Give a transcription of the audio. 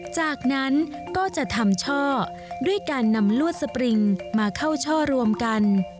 จากนั้นก็จะทำช่อด้วยการนำลวดสปริงมาเข้าช่อรวมกัน